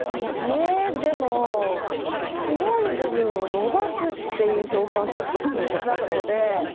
えでも白い部分を伸ばすっていう表現をちょっと聞いたので。